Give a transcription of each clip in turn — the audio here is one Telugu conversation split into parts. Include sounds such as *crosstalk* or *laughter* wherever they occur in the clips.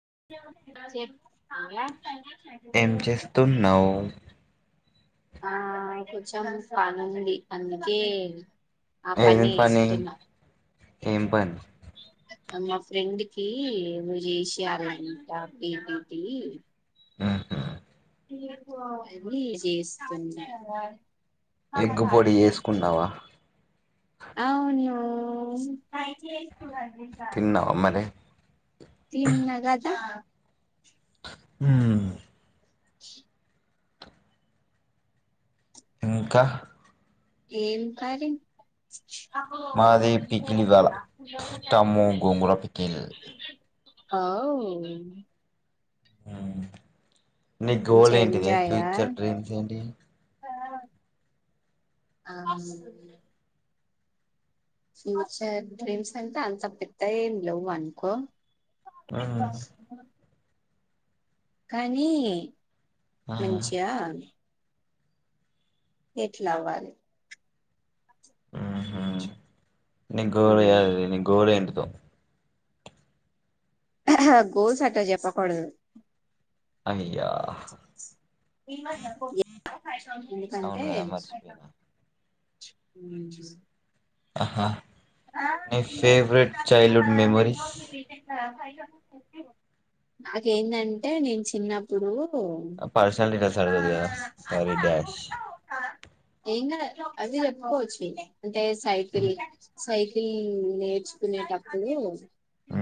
*unintelligible* ఎం చేస్తున్నావు ఆ కొంచెం పనుంది అందుకే ఆ ఏం పని చేస్తున్నా ఏం పని మా ఫ్రెండ్ కి ఏదో చేసారు *unintelligible* మ్ హుమ్.. అదీ చేస్తున్నా ఎగ్గు పొడి వేసుకున్నావా అవునూ తిన్నావా మరి తిన్నగదా మ్ *unintelligible* ఇంకా ఏం కారం మాది పికిల్ ఇవాళ అప్పు సర టము గోంగూర పికిల్ *unintelligible* ఆవ్.. మ్... ని గోల్ మంచిగా ఏంటిదె ఫ్యూచర్ డ్రీమ్స్ ఏంటి ఆమ్ ఫ్యూచర్ డ్రీమ్స్ అంటే అంత పెద్దయి ఏం లెవ్ అనుకో డ్ మ్మ్ *unintelligible* కానీ ఆ మంచియా సెట్లా వ్వారి ఆహా ని గోల్ కాదు ని గోల్ ఏంటి దొ గోల్స్ట్ట చెప్పకూడదు అఇఇ ఎందుకంటే అవును కదా మర్చిపోయినా *unintelligible* ఆహా మీ ఫేవరెట్ చైల్డ్హుడ్ మెమోరిస్ నాకేంటంటే నేను చిన్నప్పుడు పార్సనల్ డిటల్స్ అడగదు కదా సారీ డ్యాష్ ఏంగాద్ అది చెప్పుకొవచ్చు అంటే సైకిల్ సైకిల్ నేర్చుకునేటప్పుడు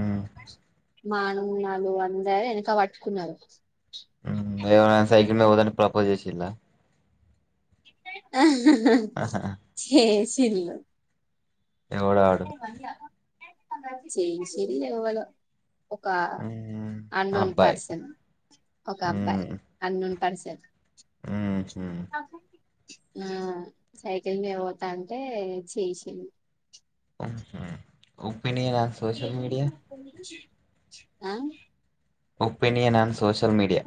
మ్మ్ *inaudible* మానవున్నాళ్ళు అందర వెనక పట్టుకున్నారు ఏ సైకిల్ మీ పోదాంటే ప్రపోజ్ చేసిలా ఆ చేసి సిల్లు ఎవడు ఆడు ఈ మధ్యా చేసిళ్ళు ఎవ్వలో ఒక ఉమ్, అన్నోన్ అబ్బాయి పర్సన్ ఒక అబ్బాయి అన్నోన్ పర్సన్ *unintelligible* ఉహు ఆ సైకిల్ మే పోతా ఉంటే చేసిళ్లు ఉహు మీడియా సోష్యల్ మీడియా అ ఒపెనియన్ అన్ సోషల్ మీడియా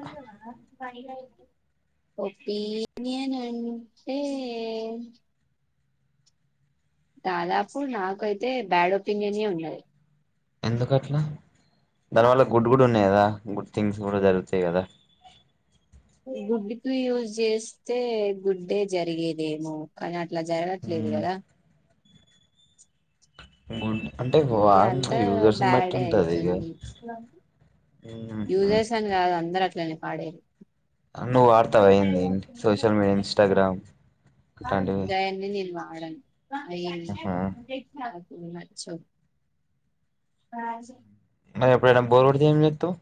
ఒపీనియన్ అంటే దాదాపు నాకైతే బ్యాడ్ ఒపీనియన్ ఉన్నది ఎందుకట్లా దానివల్ల గుడ్డు గుడ ఉన్నాయి కదా గుడ్ థింగ్స్ కూడా జరుగుతాయి కదా గుడ్డుకు యూజ్ చేస్తే గుడ్డే జరిగేదేమో కానీ అ ఇట్లా జరగట్లేదు ఉమ్, కదా బను అంటే ఇగ వారు అంతా యూజర్స్ బట్టి బ్యాడే ఉంటాది ఇక ఉమ్హు. యూజర్స్ అని కాదు అందరు అట్లానే వాడేది అన్నో వార్త అయ్యంది సోషల్ మీడియా ఇన్స్టాగ్రామ్ అట్లాంటివి వాడన్ *inaudible* ఆహా. చ్చ మరి ఎప్పుడైనా బోర్ కొడితే ఏం చేస్తావు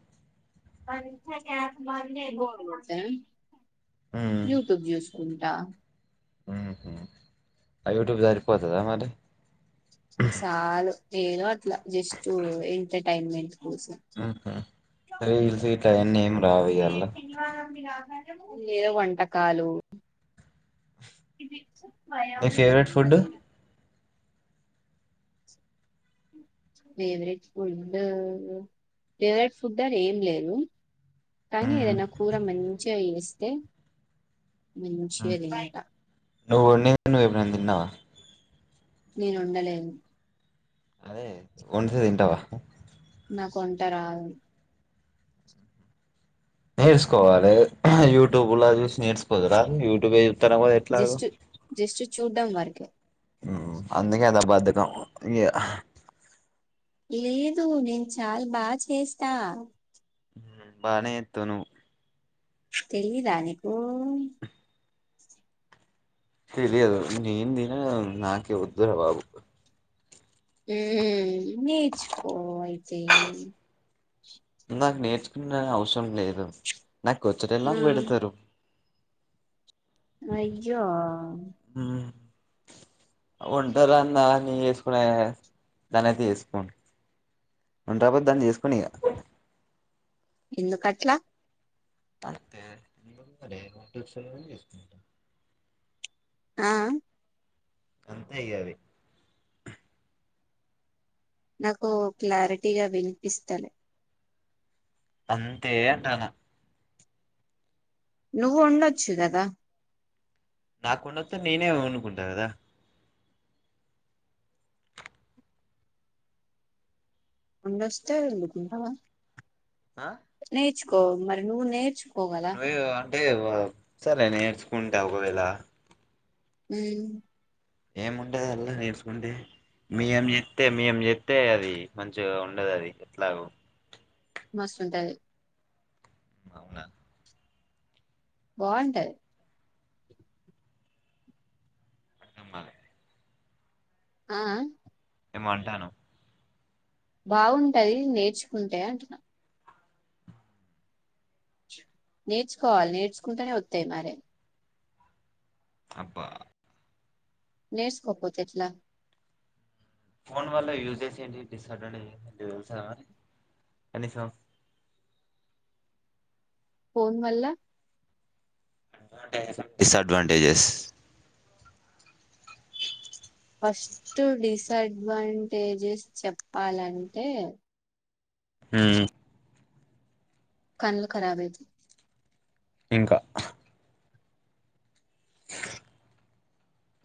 బోర్ కొడితే యూట్యూబ్ చూసుకుంటా కుంట మ్మ్ హ్మ్ యూట్యూబ్ సరి పోతాదా మరి చాలు ఏదో అట్లా జస్ట్ ఎంటర్టైన్మెంట్ కోసం మ్మ్ హ్మ్ సరే ఇల్ స టయన్న ఏం రావ్యాల ఏదో వంటకాలు నీ మ్మ్ ఫేవరెట్ ఫుడ్ మళ్ళీ ఫేవరెట్ ఫుడ్ ఫేవరెట్ ఫుడ్ అని ఏం లేదు కానీ మ్మ్. ఎద్దన్న కూర మంచిగా జాయ్ చేస్తే మ్మ్. మంచిగా తింటా నువ్వు ఉన్నవన్నీ ఎప్పుడైనా తిన్నావా నేనుండలేను అదే వండితే తింటావా నాకు వంట రాదు నేర్చుకోవాలి యూట్యూబ్ లో చూసి నేర్చుకోదురా యూట్యూబ్ జస్ట్ జస్ట్ చూడ్డం వరకి అందుకే అదా బద్ దాకం ఇగ లేదు నేను చాలా బాగు చేస్తా బాగానే చేస్తావ్ నువ్వు తెలియదా నీకు తెలియదు నేనుందిన నాకే వద్దు రా బాబు నేర్చుకో అయితే నాకు నేర్చుకున అవసరం లేదు నాకు వచ్చేటోల్లె ఆ నాకు పెడతారు అయ్యో వంటరాని దాన్ని చేసుకు దానైతే చేసుకోను వంట రాకపోతే దాన్ని చేసుకోనిగా ఎందుకట్లా అంతే ఏముంది మరి వంట వచ్చినోళ్లనే చేసుకుంటా ఆ అంతే ఇగ అది నాకు క్లారిటీగా వినిపిస్తలే అంతే అంటానా నువ్వు వండొచ్చు గదా నాకు వండత్తే నేనే వండుకుంటా కదా వండొస్తే వండుకుంటావా ఆ కో మరి నువ్వు నేర్చుకో కదా నువ్వే *unintelligible* అంటే సరే నేర్చుకుంటా ఒకవేళ హ్మ్ ఏముంటది అల్లా నేర్చుకుంటే మీ ఏం చెప్తే మం చెప్తే అది మంచిగా ఉండదు అది ఎట్లాగో మస్తు ఉంటది అవునా బాంటది అర్ధం కాలే ఆ ఏమొ అంటాన్నవ్ బాగుంటది నేర్చుకుంటే అంటున్నా నేర్చుకోవాలి నేర్చుకుంటేనే ఒత్తయి మరే అబ్బా నేర్స్కోపోతే ఎట్లా ఫోన్ వల్ల యూజస్ చేసి ఏంటి డిసఅడ్వాంటేజస్ తెలుసా మరి కనీసం ఫోన్ వల్ల డిసఅడ్వాంటేజస్ ఫస్ట్ డిసడ్వాంటేజెస్ చెప్పాలంటే హ్మ్ కన్లు కరబైతయ్ ఇంకా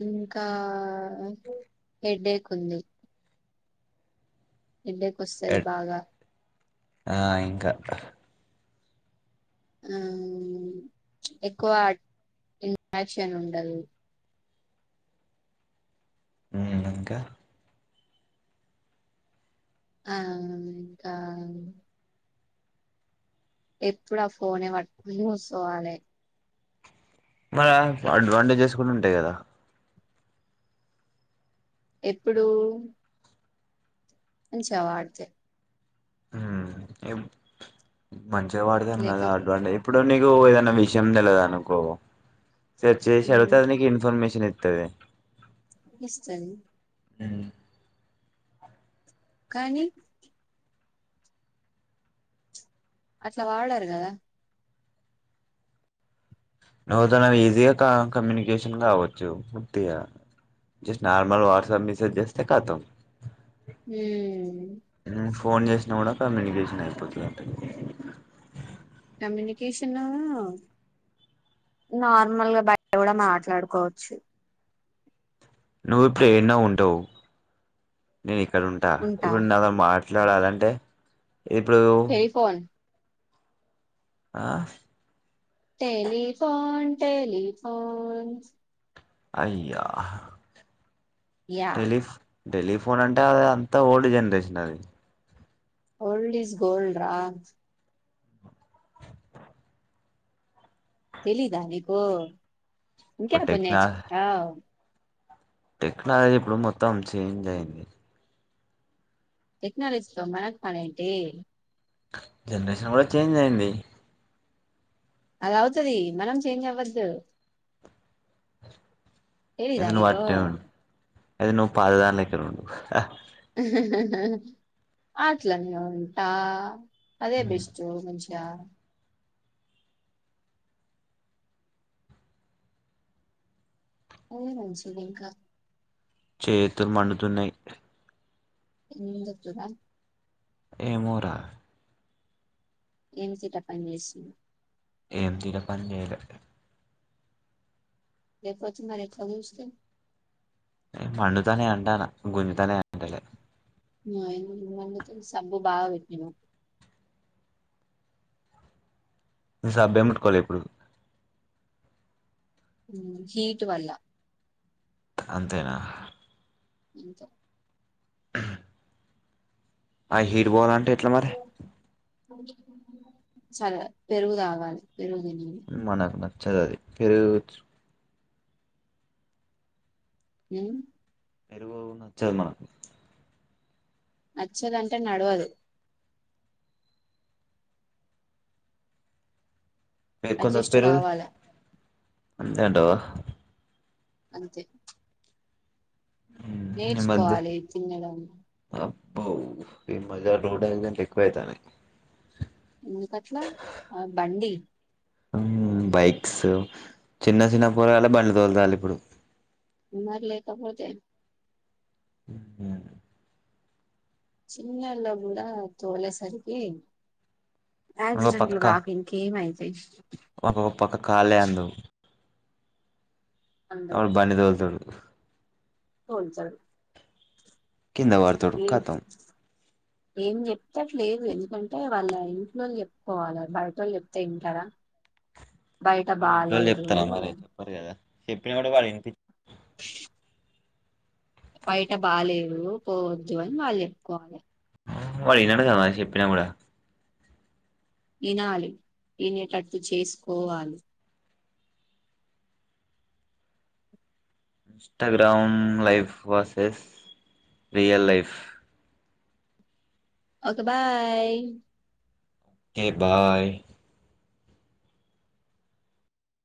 ఇంకా హెడేక్ ఉంది హెడేక్ వస్తది ఎట్- బాగా ఆ ఇంకా ఆ ఎక్కువ ఇంట్రాక్షన్ ఉండదు హ్మ్ ఇంకా ఆ ఇంకా ఎప్పుడు ఆ ఫోనే పట్టుకొని కుసోవాలె మరి అడ్వాంటేజెస్ కూడా ఉంటాయి కదా ఎప్పుడు మంచి గా వాడుతే ఉమ్ ఏ మంచిగా వాడతాను కదా లేకపో అడ్వంటే ఇప్పుడు నీకు ఏదన్నా విషయం తెలియదు అనుకో సర్చ్ చేసి మ్ అడుగుతే అది నిక్ ఇన్ఫర్మేషన్ అతది ఇస్తయి ఉమ్ కానీ అట్లా వాడారు కదా నువ్వుతన ఈజీగా కమ్యూని ఉమ్ ఫోన్ చేసినా కూడా కమ్యూనికేషన్ అయిపోతుందింతే కమ్యూనికేషన్ నార్మల్ గా బయ నువ్ ఇప్పుడు ఎన్నా ఉంటావు నేను ఇక్కడుంటా ఉంటా ఇప్పుడు నాతో మా మాట్లాడాలంటే ఇప్పుడు టెలిఫోన్ ఆహ్ టెలిఫోన్ టెలిఫోన్ అయ్యా యా టేలిఫోన్ అంటే అది అంత ఓల్డ్ జనరేషన్ అది ఓల్డ్ ఇస్ గోల్డ్ రా తెలిద నికు ఇప్పుడు ఇంకెప్పుడు టెక్నా నేర్చుకుంటావ్ టెక్నాలజీ ఇప్పుడు మొత్తం చేంజ్ అయింది టెక్నలోజీ మన మనేంట జనరేషన్ కూడా చేంజ్ అయింది అలా అవుతుది మనం చేంజ్ అవ్వద్దు ఏ రానికో అది ను పాదధా లేక్కండ ఆట్లా ఉంటా అదే బెస్ట్ మంచి అదే రంంచిలింకా చేతులు మండుతున్నాయి ఎంత చడా ఏమోరా ఏమి తట పని చేసింది ఏం తర పని లేేదు ఏపు మరి చజ క మండుతోనే అంటానా గుంజుతోనే అంటలే సంభవ బాగా పెట్టి సభ పట్టుకోవాలి ఇప్పుడు హీట్ వల్ల అంతేనా ఇంకా ఆ హీట్ బాల్ అంటే ఎట్లా మరి సరే పెరుగు తాగాలి పెరుగుందిడి చది ఫరు హ పెరు పోవచ్చ మ నచ్చదుంటే నడవదు మీకుంద అడ్జస్ట్ పేరు కావాలా ఏంటో అంతే ఉమ్, ఈ మధ్య నేర్చుకోవాలి తినడం ఈ మజా అ తకుయతను ఇకట్లా ఆ బండి బైక్స్ చిన్న చిన్న పూలగాల బండి తొలతాలి ఇప్పుడు ఎ మరి లేకబడతే ఉమ్, చిన్నల్లో కూడా తోలేసరికి ఆక్సిడెంట్లు ఆక ఇకేంయిది అ ఒొక్క పక్క కాళే అందు నప్పుడు బండి తోలుతుడుదు ఆ స చాలు కింద వడ తడుఖతాం ఏం చెప్తే అ లేదు ఎందుకంటే వాళ్ళ ఇంట్లో చెప్పుకోవాల బయట వాళ్ళు చెప్తే తంటారా బయట బాలేేదు షెప్పిన కూడా ప బయట బాలేేదు పోవద్దు అని వాళ్ళు చెప్పుకోవాలి వడినాడు చెషెప్పినా కూడా వినాలి వినేటట్టు చేసుకోవాలి Instagram life process real life okay bye ఏ బాయ్